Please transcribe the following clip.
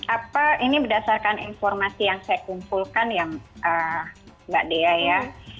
apa ini berdasarkan informasi yang saya kumpulkan yang mbak dea ya